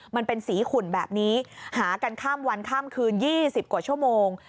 มันเป็นสีขุ่นแบบนี้หากันข้ามวันข้ามคืน๒๐กว่าชั่วโมง